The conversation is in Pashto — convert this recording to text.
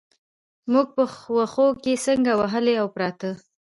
موږ په وښو کې څنګ وهلي او پراته.